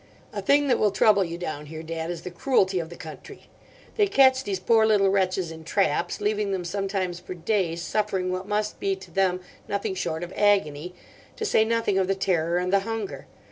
"A thing that will trouble you down here, Dad, is the cruelty of the country. They catch these poor little wretches in traps, leaving them sometimes for days suffering what must be to them nothing short of agony—to say nothing of the terror and the hunger.